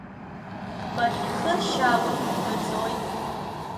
Бахьҳхыршьаауа бымбаӡои?!